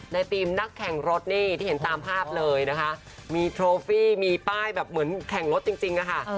ทีมนักแข่งรถนี่ที่เห็นตามภาพเลยนะคะมีโทฟี่มีป้ายแบบเหมือนแข่งรถจริงอะค่ะ